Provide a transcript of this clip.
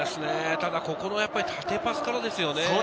ここの縦パスからですよね。